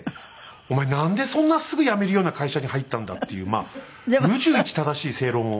「お前なんでそんなすぐ辞めるような会社に入ったんだ」っていうまあ宇宙一正しい正論を。